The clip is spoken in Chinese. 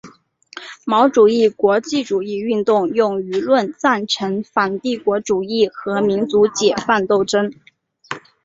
毛主义国际主义运动用舆论赞成反帝国主义和民族解放斗争。